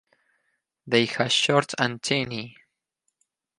They has short antennae.